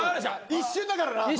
一瞬だからな。